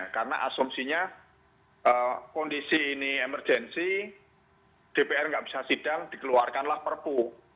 karena asumsinya kondisi ini emergensi dpr nggak bisa sidang dikeluarkanlah perpu